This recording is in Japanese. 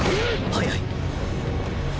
速い！